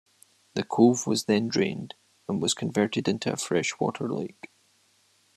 The cove was then drained and was converted into a fresh-water lake.